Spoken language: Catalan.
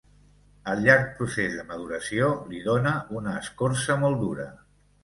El llarg procés de maduració li dóna una escorça molt dura.